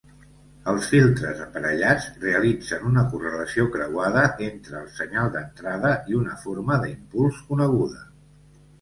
Els filtres aparellats realitzen una correlació creuada entre el senyal d'entrada i una forma de impuls coneguda.